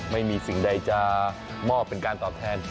ไม่มีสิ่งใดจะมอบเป็นการตอบแทน